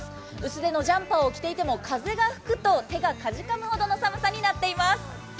薄手のジャンパーを着ていても風が吹くと手がかじかむほどの寒さになっています。